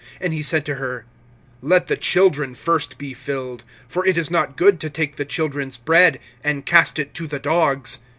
(27)And he said to her: Let the children first be filled; for it is not good to take the children's bread and cast it to the dogs.